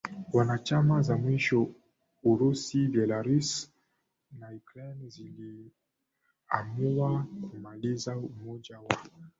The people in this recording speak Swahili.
wanachama za mwisho Urusi Belarus na Ukraine ziliamua kumaliza Umoja wa